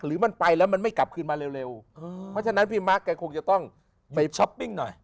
หรือมันไปแล้วมันไม่กลับคืนมาเร็วเพราะฉะนั้นของช้อปปิ้ง